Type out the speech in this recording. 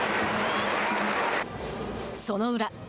その裏。